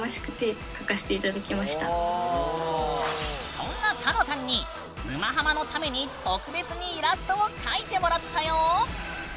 そんなかのさんに「沼ハマ」のために特別にイラストを描いてもらったよ。